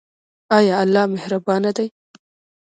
ایا الله مهربان دی؟